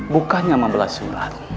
bukannya membelah surat